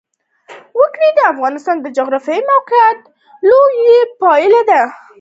وګړي د افغانستان د جغرافیایي موقیعت یوه لویه پایله ده.